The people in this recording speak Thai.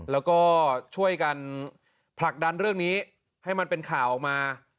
แล้วก็ช่วยกันผลักดันเรื่องนี้ให้มันเป็นข่าวออกมา